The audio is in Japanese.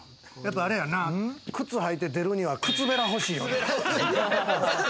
靴履いて出るには靴べら欲しいよな。